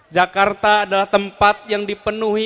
jakarta adalah tempat yang dipenuhi